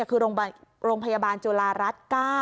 คือโรงพยาบาลจุฬารัฐ๙